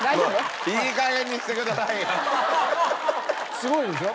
すごいでしょ？